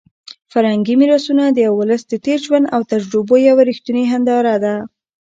فرهنګي میراثونه د یو ولس د تېر ژوند او تجربو یوه رښتونې هنداره ده.